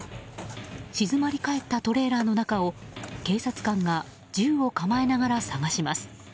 静まり返ったトレーラーの中を警察官が銃を構えながら捜します。